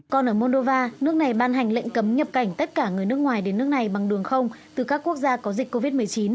còn ở moldova nước này ban hành lệnh cấm nhập cảnh tất cả người nước ngoài đến nước này bằng đường không từ các quốc gia có dịch covid một mươi chín